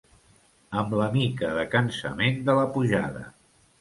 Amb la mica de cansament de la pujada